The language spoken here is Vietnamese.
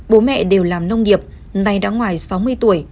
bố mẹ đều làm nông nghiệp nay đã ngoài sáu mươi tuổi